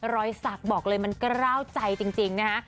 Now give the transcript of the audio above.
รอยสักบอกเลยมันกล้าวใจจริงนะฮะ